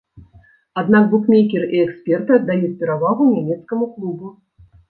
Аднак букмекеры і эксперты аддаюць перавагу нямецкаму клубу.